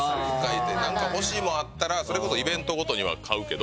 何か欲しい物あったらそれこそイベントごとには買うけど。